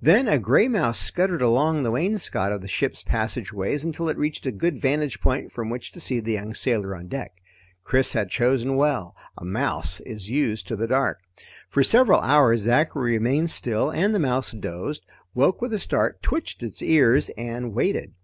Then a gray mouse scuttered along the wainscot of the ship's passageways until it reached a good vantage point from which to see the young sailor on deck. Chris had chosen well; a mouse is used to the dark. For several hours Zachary remained still and the mouse dozed, woke with a start, twitched its ears, and waited.